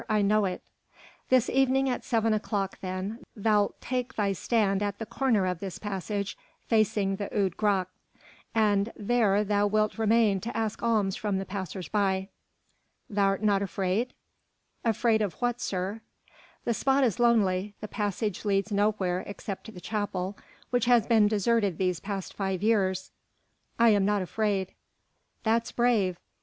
I know it." "This evening at seven o'clock then thou'lt take thy stand at the corner of this passage facing the Oude Gracht; and there thou wilt remain to ask alms from the passers by. Thou'rt not afraid?" "Afraid of what, sir?" "The spot is lonely, the passage leads nowhere except to the chapel, which has been deserted these past five years." "I am not afraid." "That's brave!